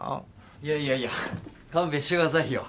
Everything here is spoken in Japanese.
いやいやいや勘弁してくださいよ。